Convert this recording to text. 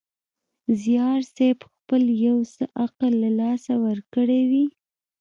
زیارصېب خپل یو څه عقل له لاسه ورکړی وي.